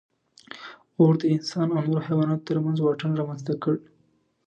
اور د انسان او نورو حیواناتو تر منځ واټن رامنځ ته کړ.